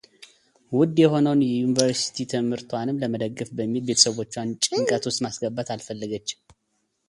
ውድ የሆነውን የዩኒቨርስቲ ትምህርቷንም ለመደገፍ በሚል ቤተሰቦቿን ጭንቀት ውስጥ ማስገባት አልፈለገችም።